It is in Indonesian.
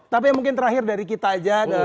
tapi mungkin terakhir dari kita aja